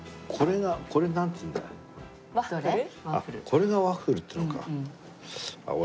これがワッフルって言うのか。